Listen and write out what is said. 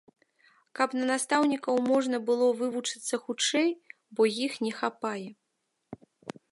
Каб на настаўнікаў можна было вывучыцца хутчэй, бо іх не хапае.